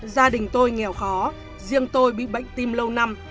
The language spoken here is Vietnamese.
gia đình tôi nghèo khó riêng tôi bị bệnh tim lâu năm